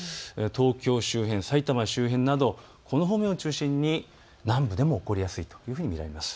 東京周辺、埼玉周辺などこの方面を中心に南部でも起こりやすいと見られます。